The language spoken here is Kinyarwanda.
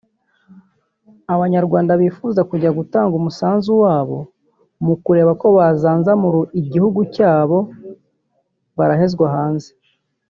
Abanyarwanda bifuza kujya gutanga umusanzu wabo mukureba ko bazanzamura igihugu cyabo barahezwa hanze